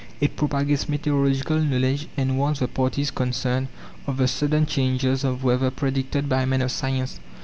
It propagates meteorological knowledge, and warns the parties concerned of the sudden changes of weather predicted by men of science.